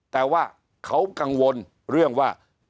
แต่ว่าเขากังวลเรื่องว่า